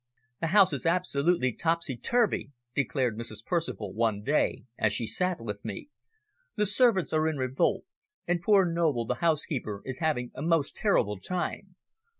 "The house is absolutely topsy turvy," declared Mrs. Percival one day, as she sat with me. "The servants are in revolt, and poor Noble, the housekeeper, is having a most terrible time.